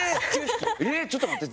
ちょっと待って。